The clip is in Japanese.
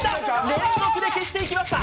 連続で消していきました。